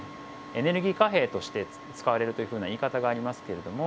エネルギー貨幣として使われるというふうな言い方がありますけれども。